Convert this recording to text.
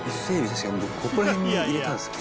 確かここら辺に入れたんですよ。